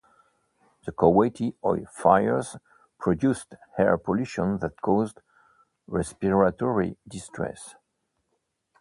The Kuwaiti oil fires produced air pollution that caused respiratory distress.